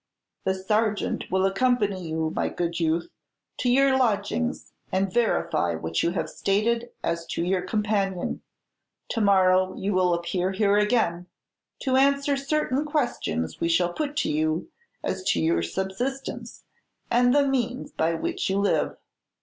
"The sergeant will accompany you, my good youth, to your lodgings, and verify what you have stated as to your companion. To morrow you will appear here again, to answer certain questions we shall put to you as to your subsistence, and the means by which you live."